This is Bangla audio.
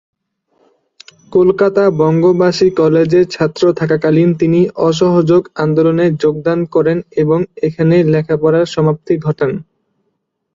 কলকাতা বঙ্গবাসী কলেজে ছাত্র থাকাকালীন তিনি অসহযোগ আন্দোলনে যোগদান করেন এবং এখানেই লেখাপড়ার সমাপ্তি ঘটান।